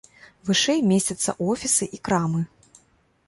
Вышэй месцяцца офісы і крамы.